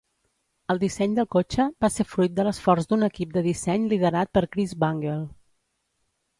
El disseny del cotxe va ser fruit de l'esforç d'un equip de disseny liderat per Chris Bangle.